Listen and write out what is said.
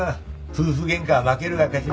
夫婦ゲンカは負けるが勝ち！